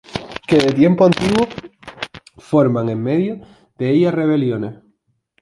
que de tiempo antiguo forman en medio de ella rebeliones.